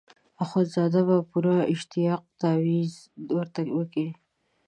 اخندزاده په پوره اشتیاق تاویز ورته وکیښ.